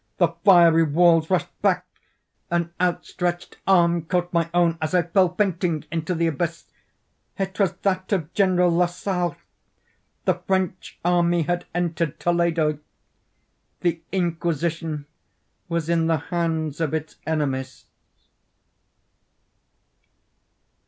The fiery walls rushed back! An outstretched arm caught my own as I fell, fainting, into the abyss. It was that of General Lasalle. The French army had entered Toledo. The Inquisition was in the hands of its enemies.